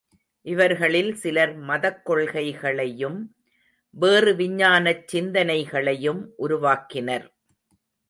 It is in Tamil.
இவர்களில் சிலர் மதக்கொள்கைகளையும், வேறு விஞ்ஞானச் சிந்தனைகளையும் உருவாக்கினர்.